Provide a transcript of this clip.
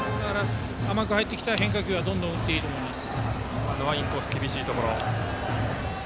甘く入ってきた変化球はどんどん打っていいと思います。